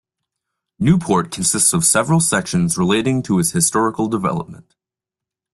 Newport consists of several sections relating to its historical development.